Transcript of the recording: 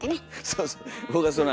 そうそう。